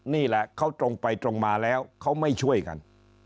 นี่แหละเขาตรงไปตรงมาแล้วเขาไม่ช่วยกัน